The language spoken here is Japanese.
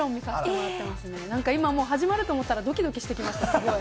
もちろん、いま始まると思ったらドキドキしてきました。